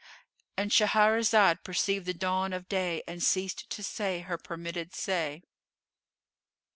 ——And Shahrazad perceived the dawn of day and ceased to say her permitted say.